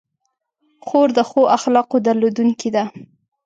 خور د ښو اخلاقو درلودونکې ده.